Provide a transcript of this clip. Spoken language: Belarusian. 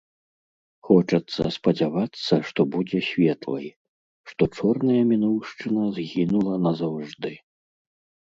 Хочацца спадзявацца, што будзе светлай, што чорная мінуўшчына згінула назаўжды.